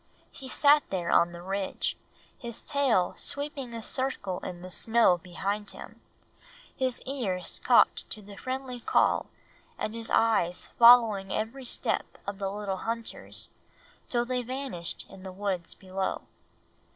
He sat there on the ridge, his tail sweeping a circle in the snow behind him, his ears cocked to the friendly call and his eyes following every step of the little hunters, till they vanished in the woods below.